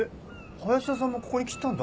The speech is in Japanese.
林田さんもここに来てたんだ。